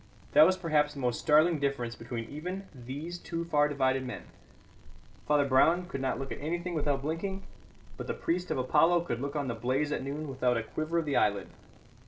That was perhaps the most startling difference between even these two far divided men. Father Brown could not look at anything without blinking; but the priest of Apollo could look on the blaze at noon without a quiver of the eyelid.